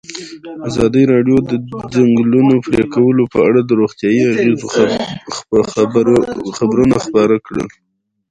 ازادي راډیو د د ځنګلونو پرېکول په اړه د روغتیایي اغېزو خبره کړې.